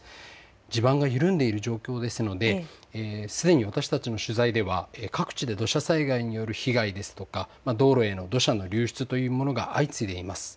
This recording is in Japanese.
地盤が緩んでいる状況ですのですでに私たちの取材では各地で土砂災害による被害ですとか道路への土砂の流出というものが相次いでいます。